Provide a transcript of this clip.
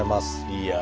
いや。